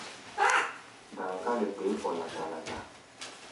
Daŋkále kpeé fɔ lata-lata.